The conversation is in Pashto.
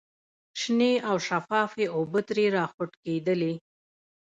شنې او شفافې اوبه ترې را خوټکېدلې.